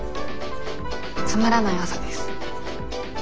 つまらない朝です。